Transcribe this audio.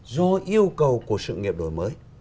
do yêu cầu của sự nghiệp đổi mới